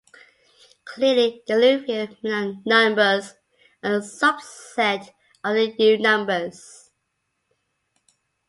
Clearly the Liouville numbers are a subset of the U numbers.